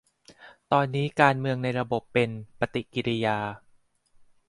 ตอนนี้การเมืองในระบบเป็น 'ปฏิกิริยา'